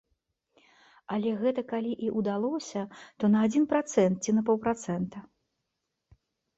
Але гэта калі і ўдалося, то на адзін працэнт ці на паўпрацэнта.